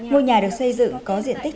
một nhà được xây dựng có diện tích